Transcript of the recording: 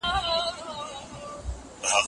بهار په خوب وينمه وبه خاندې